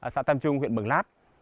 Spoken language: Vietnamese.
xã tam trung huyện mường lát